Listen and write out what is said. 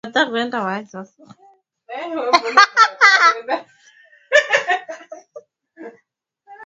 maofisa wa usalama nchini morocco wamesema watu mia moja na sitini na watatu